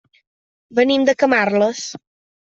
Venim de Camarles.